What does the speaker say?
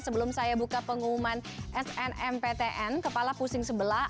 sebelum saya buka pengumuman snmptn kepala pusing sebelah